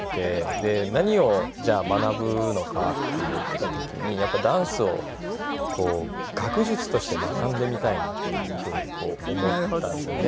で何をじゃあ学ぶのかっていった時にやっぱりダンスを学術として学んでみたいなっていうふうに思ったんですよね。